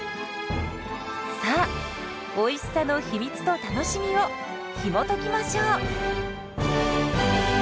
さあおいしさの秘密と楽しみをひもときましょう！